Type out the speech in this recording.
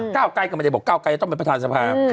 เก้าไกรก็ไม่ได้บอกก้าวไกรจะต้องเป็นประธานสภา